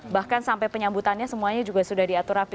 bahkan sampai penyambutannya semuanya juga sudah diatur rapi